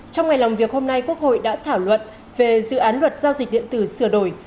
trong ngày làm việc hôm nay quốc hội đã thảo luận về dự án luật giao dịch điện tử sửa đổi